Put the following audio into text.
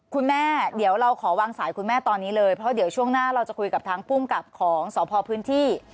คุณแม่เดี๋ยวเราขอวางสายคุณแม่ตอนนี้เลยเพราะเดี๋ยวช่วงหน้าเราจะคุยกับทางภูมิกับของสพพื้นที่